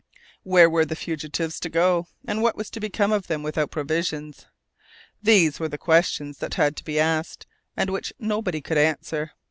Where were the fugitives to go, and what was to become of them without provisions? these were questions that had to be asked, and which nobody could answer.